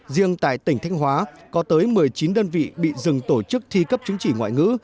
riêng tại tỉnh thanh hóa có tới một mươi chín đơn vị bị dừng tổ chức thi cấp chứng chỉ ngoại ngữ